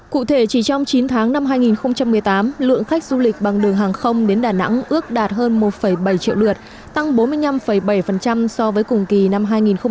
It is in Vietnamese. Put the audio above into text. cụ thể chỉ trong chín tháng năm hai nghìn một mươi tám lượng khách du lịch bằng đường hàng không đến đà nẵng ước đạt hơn một bảy triệu lượt tăng bốn mươi năm bảy so với cùng kỳ năm hai nghìn một mươi bảy